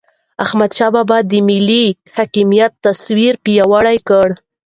د احمد شاه بابا د ملي حاکمیت تصور پیاوړی کړ.